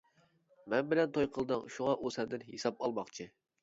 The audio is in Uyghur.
مەن بىلەن توي قىلدىڭ شۇڭا ئۇ سەندىن ھېساب ئالماقچى.